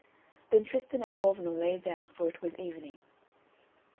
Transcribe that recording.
Then Tristan and Gorvenal lay down, for it was evening.